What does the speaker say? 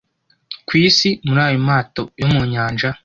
ku isi muri ayo mato yo mu nyanja